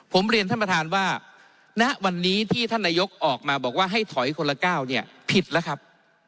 ผมเรียนท่านประธานว่าณวันนี้ที่ท่านนายกออกมาบอกว่าให้ถอยคนละก้าวเนี่ยผิดแล้วครับ